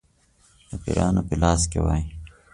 د پیرانو په لاس کې وای.